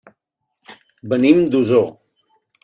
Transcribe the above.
Venim d'Osor.